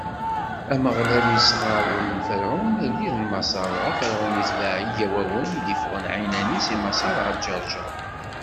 Ameɣlal isɣer ul n Ferɛun, agellid n Maṣer, dɣa Ferɛun itbeɛ Igawawen i d-iffɣen ɛinani si Maṣer ɣer Ǧeṛǧeṛ.